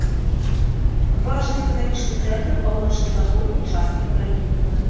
Важны эканамічны цэнтр паўночна-заходняй часткі краіны.